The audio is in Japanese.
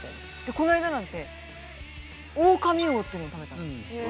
この間なんてオオカミウオっていうのを食べたんです。